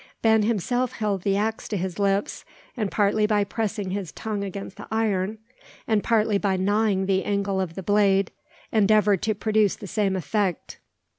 Ben himself held the axe to his lips, and partly by pressing his tongue against the iron, and partly by gnawing the angle of the blade, endeavoured to produce the same effect.